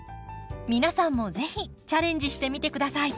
皆さんも是非チャンレンジしてみて下さい。